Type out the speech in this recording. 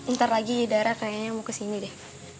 ntar lagi darah kayaknya mau kesini deh